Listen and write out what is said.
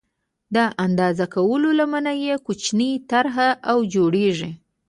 د اندازه کولو لمنه یې کوچنۍ طرحه او جوړېږي.